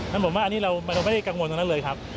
ฉะผมว่าอันนี้เราไม่ได้กังวลตรงนั้นเลยครับ